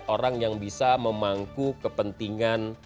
orang yang bisa memangku kepentingan